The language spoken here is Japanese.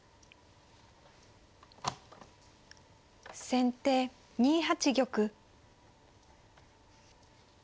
先手２八玉。